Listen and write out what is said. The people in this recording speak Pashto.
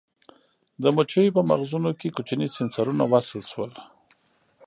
د مچیو په مغزو کې کوچني سېنسرونه وصل شول.